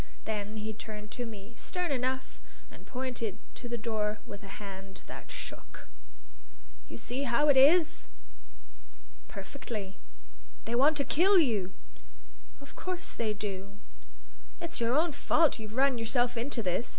Then he turned to me, stern enough, and pointed to the door with a hand that shook. "You see how it is?" "Perfectly." "They want to kill you!" "Of course they do." "It's your own fault; you've run yourself into this.